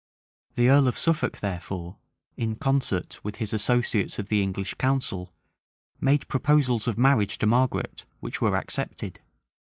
The earl of Suffolk, therefore, in concert with his associates of the English council, made proposals of marriage to Margaret, which were accepted.